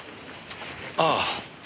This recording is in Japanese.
ああ。